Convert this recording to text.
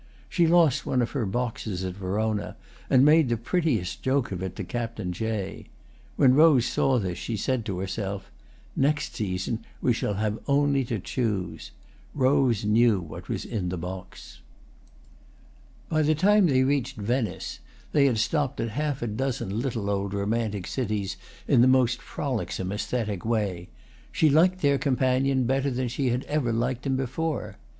She lost one of her boxes at Verona, and made the prettiest joke of it to Captain Jay. When Rose saw this she said to herself, "Next season we shall have only to choose." Rose knew what was in the box. By the time they reached Venice (they had stopped at half a dozen little old romantic cities in the most frolicsome æsthetic way) she liked their companion better than she had ever liked him before.